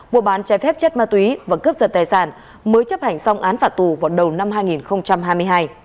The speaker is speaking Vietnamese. mua bán trái phép chất ma túy và cướp giật tài sản mới chấp hành xong án phạt tù vào đầu năm hai nghìn hai mươi hai